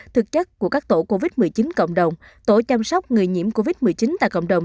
thực chất của các tổ covid một mươi chín cộng đồng tổ chăm sóc người nhiễm covid một mươi chín tại cộng đồng